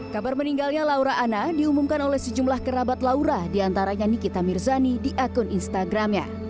kisah laura ana